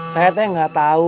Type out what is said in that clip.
saya teh gak tahu